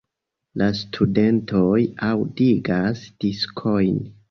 La studentoj aŭdigas diskojn.